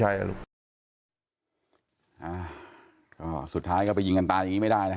อ่าก็สุดท้ายก็ไปยิงกันตายังงี้ไม่ได้นะคะ